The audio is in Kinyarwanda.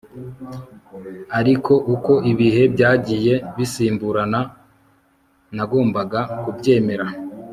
ariko uko ibihe byagiye bisimburana, nagombaga kubyemera